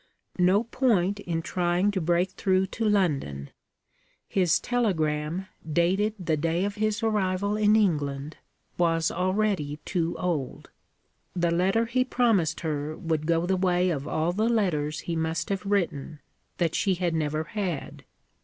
No point in trying to break through to London: his telegram, dated the day of his arrival in England, was already too old. The letter he promised her would go the way of all the letters he must have written, that she had never had.